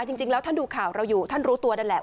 จริงแล้วท่านดูข่าวเราอยู่ท่านรู้ตัวนั่นแหละ